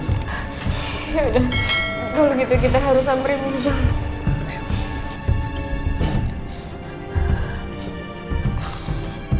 yaudah kalau gitu kita harus samperin michelle